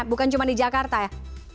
bukan cuma di jakarta ya